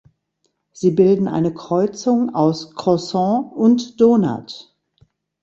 Sie bilden eine Kreuzung aus Croissant und Donut.